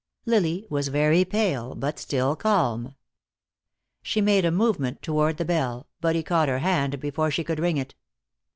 Lily was very pale, but still calm. She made a movement toward the bell, but he caught her hand before she could ring it.